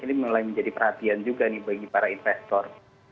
ini mulai menjadi perhatian juga nih bagi para investor